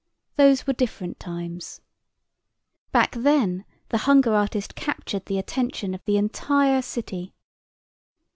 Those were different times. Back then the hunger artist captured the attention of the entire city.